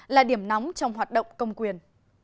là điểm nóng trong hoạt động công quyền